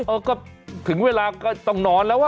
เออก็ถึงเวลาก็ต้องนอนแล้ว